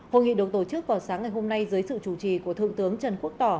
hội nghị được tổ chức vào sáng ngày hôm nay dưới sự chủ trì của thượng tướng trần quốc tỏ